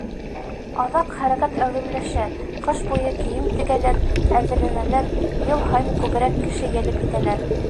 Аҙаҡ хәрәкәт әүҙемләшә: ҡыш буйы кейем тегәләр, әҙерләнәләр, йыл һайын күберәк кеше йәлеп итәләр.